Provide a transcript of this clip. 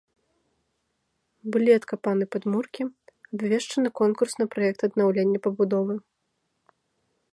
Былі адкапаны падмуркі, абвешчаны конкурс на праект аднаўлення пабудовы.